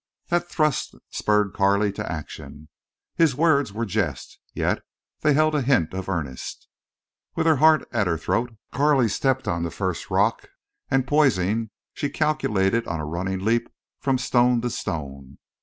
That thrust spurred Carley to action. His words were jest, yet they held a hint of earnest. With her heart at her throat Carley stepped on the first rock, and, poising, she calculated on a running leap from stone to stone.